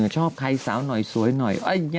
ชอบขายสาวหน่อยสวยหน่อยอัยะ